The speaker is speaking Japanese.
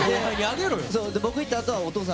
僕いったあとはお父さん。